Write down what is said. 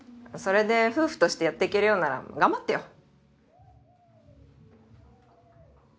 それで夫婦としてやっていけるようなら頑張ってよ。